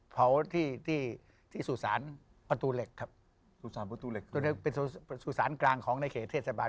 เผาที่สุสานประตูเหล็กเป็นสุสานกลางของในเขตเธศบาล